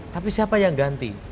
tapi siapa yang ganti